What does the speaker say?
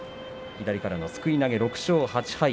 左からのすくい投げ、６勝８敗。